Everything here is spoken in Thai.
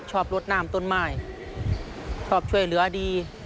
ชอบรดนามต้นไม้ชอบช่วยเหลือดี